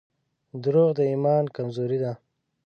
• دروغ د ایمان کمزوري ده.